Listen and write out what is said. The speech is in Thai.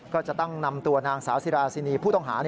ก็จะต้องนำตัวนางสาวสิราซินีผู้ต้องหา